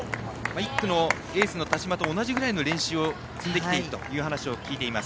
１区のエースの田島と同じくらいの練習を積んできているという話を聞いています。